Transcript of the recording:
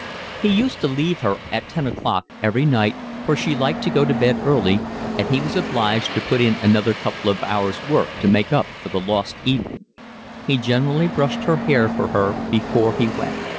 He used to leave her at ten o'clock every night, for she liked to go to bed early, and he was obliged to put in another couple of hours' work to make up for the lost evening. He generally brushed her hair for her before he went.